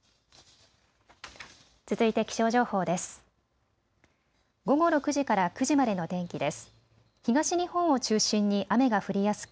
続いて気象情報です。